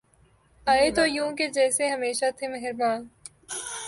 آئے تو یوں کہ جیسے ہمیشہ تھے مہرباں